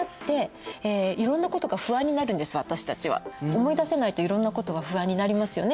思い出せないといろんなことが不安になりますよね